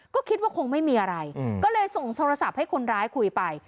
ก็คิดว่าคงไม่มีอะไรก็เลยส่งโทรศัพท์ให้คนร้ายคุยไป